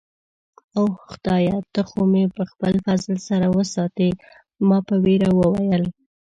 اوه، خدایه، ته خو مې په خپل فضل سره وساتې. ما په ویره وویل.